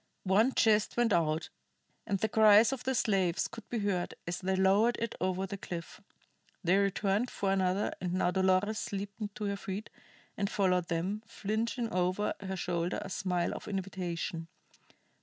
One chest went out, and the cries of the slaves could be heard as they lowered it over the cliff. They returned for another, and now Dolores leaped to her feet and followed them, flinging over her shoulder a smile of invitation.